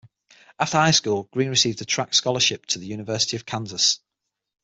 After high school, Greene received a Track scholarship to the University of Kansas.